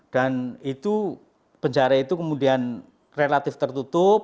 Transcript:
dan itu penjara itu kemudian relatif tertutup